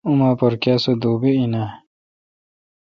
اوما پر کیا سُو دوبی این آں؟